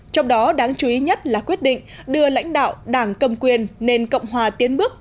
trong đó đáng chú ý nhất là quyết định đưa lãnh đạo đảng cầm quyền nên cộng hòa tiến bước